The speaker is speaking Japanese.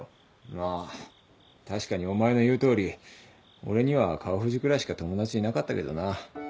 まあ確かにお前の言うとおり俺には川藤くらいしか友達いなかったけどな。